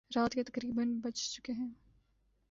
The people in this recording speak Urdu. رات کے تقریبا بج چکے تھے